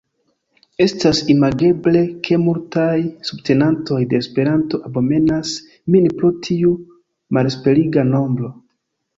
Estas imageble, ke multaj subtenantoj de Esperanto abomenas min pro tiu malesperiga nombro.